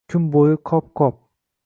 Kun bo’yi qop-qop